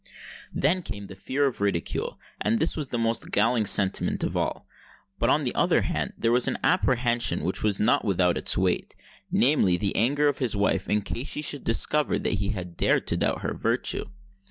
Then came the fear of ridicule;—and this was the most galling sentiment of all. But, on the other hand, there was an apprehension which was not without its weight: namely, the anger of his wife, in case she should discover that he had dared to doubt her virtue.